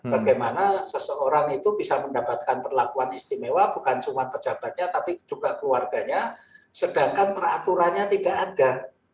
bagaimana seseorang itu bisa mendapatkan perlakuan istimewa bukan cuma pejabatnya tapi juga keluarganya sedangkan peraturannya tidak ada